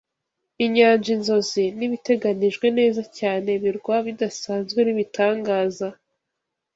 inyanja-inzozi nibiteganijwe neza cyane birwa bidasanzwe nibitangaza.